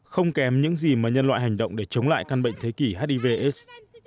không kém những gì mà nhân loại hành động để chống lại căn bệnh thế kỷ hiv aids